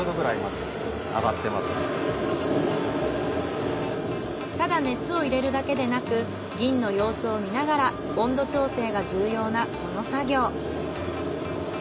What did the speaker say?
これで今ただ熱を入れるだけでなく銀の様子を見ながら温度調整が重要なこの作業。